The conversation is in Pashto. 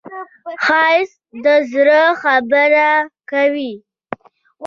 ښایست د زړه خبرې کوي